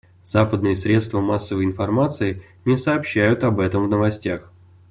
Западные средства массовой информации не сообщают об этом в новостях.